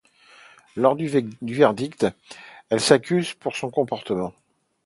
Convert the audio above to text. Lors du verdict, elle s'excuse pour son comportement.